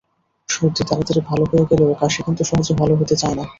সর্দি তাড়াতাড়ি ভালো হয়ে গেলেও কাশি কিন্তু সহজে ভালো হতে চায় না।